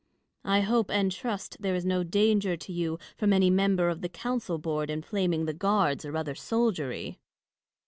I hope and trust there is no danger to you from any member of the council board inflaming the guards or other soldiery.